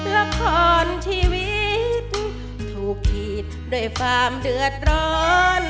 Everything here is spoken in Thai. ละคร้อนชีวิตถูกผิดโดยฟ้ามเดือดร้อน